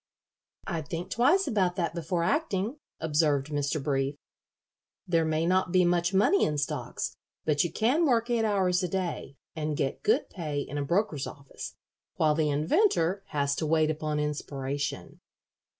"I'd think twice about that before acting," observed Mr. Brief. "There may not be much money in stocks, but you can work eight hours a day, and get good pay in a broker's office, while the inventor has to wait upon inspiration."